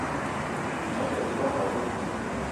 Ane Atёbё Ebe anga be